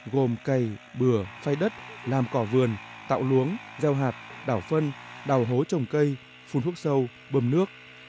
gồm cày bừa phay đất làm cỏ vườn tạo luống gieo hạt đảo phân đào hố trồng cây phun thuốc sâu bơm nước